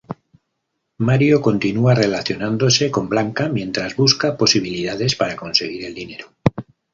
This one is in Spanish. Mario continúa relacionándose con Blanca mientras busca posibilidades para conseguir el dinero.